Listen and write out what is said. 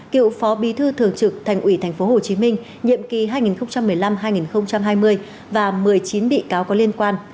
cựu phó bí thư thường trực thành ủy tp hcm nhiệm kỳ hai nghìn một mươi năm hai nghìn hai mươi và một mươi chín bị cáo có liên quan